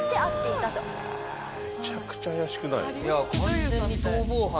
めちゃくちゃ怪しくない？